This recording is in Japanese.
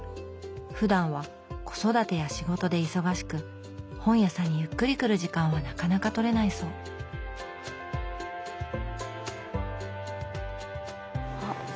ふだんは子育てや仕事で忙しく本屋さんにゆっくり来る時間はなかなかとれないそうあっ何？